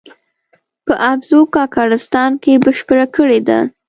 په اپوزو کاکړستان کې بشپړه کړې ده.